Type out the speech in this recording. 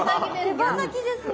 手羽先ですね。